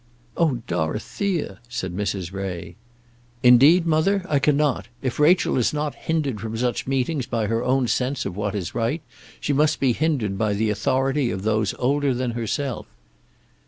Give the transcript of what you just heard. "Oh, Dorothea!" said Mrs. Ray. "Indeed, mother, I cannot. If Rachel is not hindered from such meetings by her own sense of what is right, she must be hindered by the authority of those older than herself."